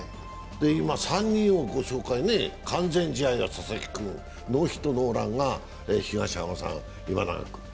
今３人を御紹介完全試合が佐々木君、ノーヒットノーランが東浜さん、今永君。